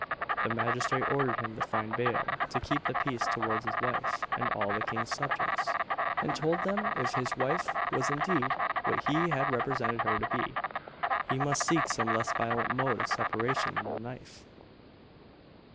The magistrate ordered him to find bail to keep the peace towards his wife and all the king's subjects, and told him if his wife was indeed what he had represented her to be, he must seek some less violent mode of separation than the knife.